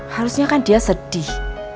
harusnya kan dia sedih